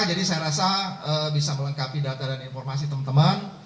jadi saya rasa bisa melengkapi data dan informasi teman teman